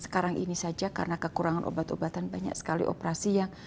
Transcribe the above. sekarang ini saja karena kekurangan obat obatan banyak sekali operasi yang